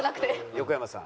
横山さん。